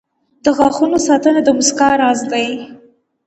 • د غاښونو ساتنه د مسکا راز دی.